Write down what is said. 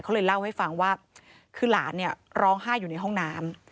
เขาเลยเล่าให้ฟังว่าคือหลานเนี่ยร้องไห้อยู่ในห้องน้ำ